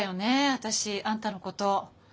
私あんたのこと。